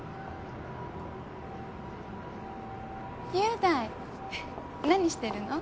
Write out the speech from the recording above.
雄大何してるの？